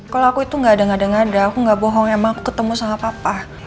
kalo aku itu gak ada gada gada aku gak bohong emang aku ketemu sama papa